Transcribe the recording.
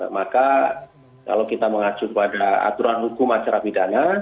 maka kalau kita mengacu kepada aturan hukum acara pidana